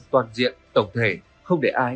toàn diện tổng thể không để ai